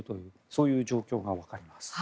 そういう状況が分かります。